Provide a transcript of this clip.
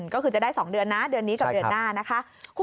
ก็คือจะได้๒เดือนนะเดือนนี้กับเดือนหน้านะคะ